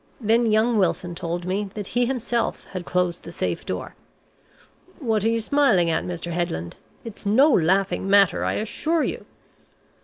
Then young Wilson told me that he himself had closed the safe door.... What are you smiling at, Mr. Headland? It's no laughing matter, I assure you!"